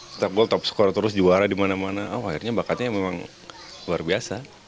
cetak gol top score terus juara di mana mana akhirnya bakatnya memang luar biasa